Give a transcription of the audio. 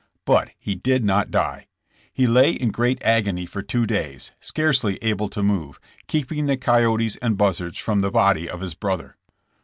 But he did not die. He lay in great agony for two days, scarcely able to move, keeping the coyotes and buzzards from the body of his brother.